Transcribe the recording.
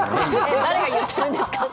えっ、誰が言ってるんですか？